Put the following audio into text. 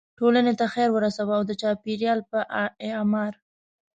ټولنې ته خیر ورسوو او د چاپیریال په اعمار.